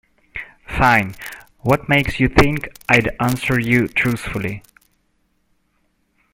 Fine, what makes you think I'd answer you truthfully?